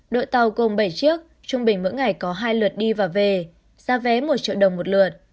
đội tàu gồm bảy chiếc trung bình mỗi ngày có hai lượt đi và về giá vé một triệu đồng một lượt